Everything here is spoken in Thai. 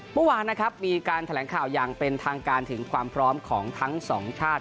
เมื่อวานนะครับมีการแถลงข่าวอย่างเป็นทางการถึงความพร้อมของทั้งสองชาติ